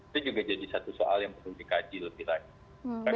itu juga jadi satu soal yang perlu dikaji lebih lanjut